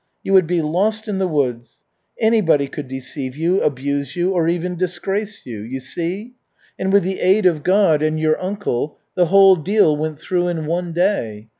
You would be lost in the woods. Anybody could deceive you, abuse you or even disgrace you. You see? And with the aid of God and your uncle the whole deal went through in one day.